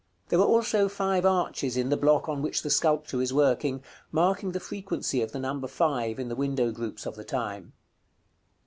There are also five arches in the block on which the sculptor is working, marking the frequency of the number five in the window groups of the time.